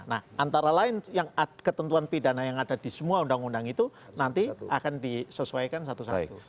nah antara lain yang ketentuan pidana yang ada di semua undang undang itu nanti akan disesuaikan satu satu